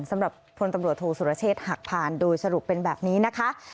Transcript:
สำหรับพลตำรวจโทษสุรเชษฐ์หักผ่านโดยสรุปเป็นแบบนี้นะคะ